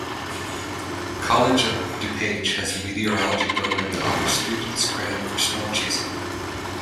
College of DuPage has a meteorology program that offers students credit for storm chasing.